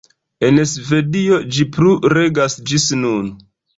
En Svedio ĝi plu regas ĝis nun.